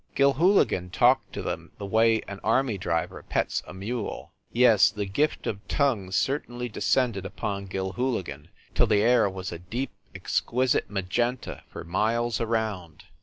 Gilhooligan talked to them the way an army driver pets a mule. Yes, the gift of tongues certainly de scended upon Gilhooligan, till the air was a deep, exquisite magenta for miles around.